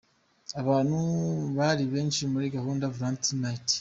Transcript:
Abantu bari benshi muri Gukunda Valentine Night .